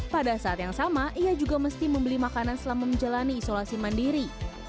pada saat yang sama ia juga mesti membeli makanan selama menjalani isolasi mandiri